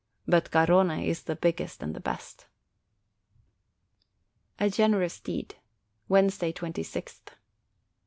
But Garrone is the big gest and the best. A GENEROUS DEED Wednesday, 26th.